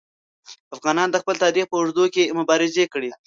افغانانو د خپل تاریخ په اوږدو کې مبارزې کړي.